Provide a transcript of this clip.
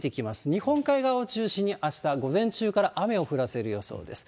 日本海側を中心にあした午前中から雨を降らせる予想です。